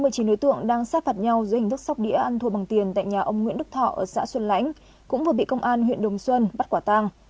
trước đóng một mươi chín nối tượng đang sát phạt nhau dưới hình thức sóc đĩa ăn thua bằng tiền tại nhà ông nguyễn đức thọ ở xã xuân lãnh cũng vừa bị công an huyện đồng xuân bắt quả tàng